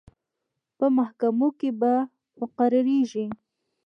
په محاکمو کې به مقرریږي.